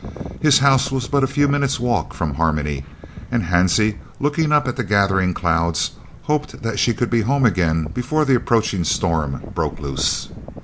His house was but a few minutes' walk from Harmony, and Hansie, looking up at the gathering clouds, hoped that she could be home again before the approaching storm broke loose.